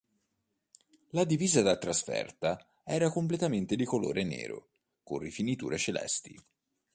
La divisa da trasferta era completamente di colore nero, con rifiniture celesti.